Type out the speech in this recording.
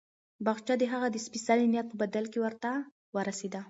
باغچه د هغه د سپېڅلي نیت په بدل کې ورته ورسېده.